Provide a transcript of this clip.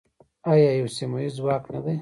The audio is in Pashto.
آیا یو سیمه ییز ځواک نه دی؟